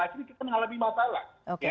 akhirnya kita mengalami masalah